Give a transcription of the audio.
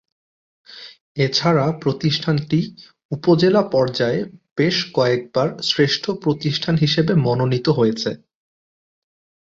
এছাড়া প্রতিষ্ঠানটি উপজেলা পর্যায়ে বেশ কয়েকবার শ্রেষ্ঠ প্রতিষ্ঠান হিসেবে মনোনীত হয়েছে।